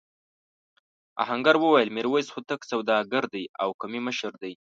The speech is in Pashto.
آهنګر وویل میرويس هوتک سوداګر دی او قومي مشر دی.